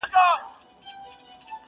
ما ویل زه به ستا ښایستې سینې ته،